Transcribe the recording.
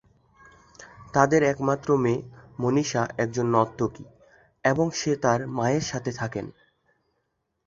তাদের একমাত্র মেয়ে মনীষা একজন নর্তকী এবং সে তার মায়ের সাথে থাকেন।